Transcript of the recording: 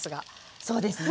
そうですね。